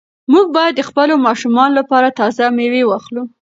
موږ باید د خپلو ماشومانو لپاره تازه مېوې واخلو.